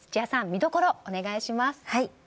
見どころをお願いします。